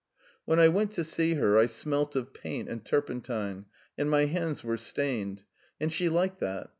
When I was at her house I smelled of paint and tur pentine, and my hands were stained. She liked that.